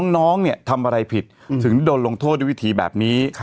๑น้องทำอะไรผิดถึงโดนโรงโทษในวิถีแบบนี้